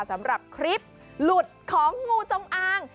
สำหรับคลิปหลุดของงูจงอาง